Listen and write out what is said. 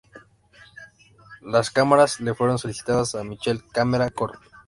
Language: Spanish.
Las cámaras le fueron solicitadas a Mitchell Camera Corp.